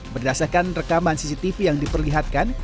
berdasarkan rekaman cctv yang diperlihatkan